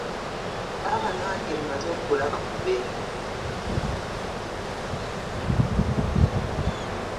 Olaba nange mmaze okulaba ku Beene!